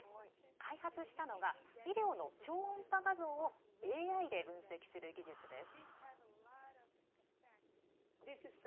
開発したのが医療の超音波画像をＡＩで分析する技術です。